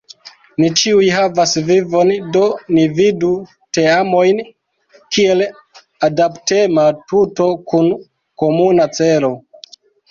Ni ĉiuj havas vivon, do ni vidu teamojn kiel adaptema tuto kun komuna celo.